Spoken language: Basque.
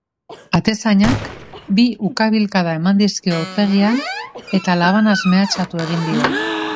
Atezainak bi ukabilkada eman dizkio aurpegian eta labanaz mehatxu egin dio.